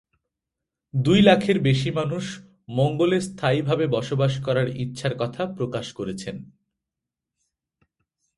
দুই লাখের বেশি মানুষ মঙ্গলে স্থায়ীভাবে বসবাস করার ইচ্ছার কথা প্রকাশ করেছেন।